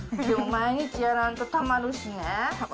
でも毎日やらんとたまるしね。